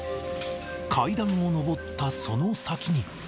階段を上ったその先には。